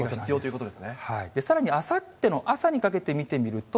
さらにあさっての朝にかけて見てみると。